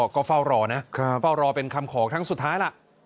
ก็เฝ้ารอนะเฝ้ารอเป็นคำขอครั้งสุดท้ายล่ะ